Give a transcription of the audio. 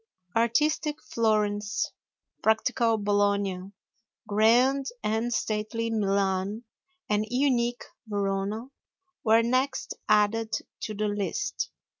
Artistic Florence, practical Bologna, grand and stately Milan, and unique Verona were next added to the list.